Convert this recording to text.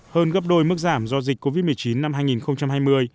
hơn gấp đôi mức giảm do dịch covid một mươi chín năm hai nghìn hai mươi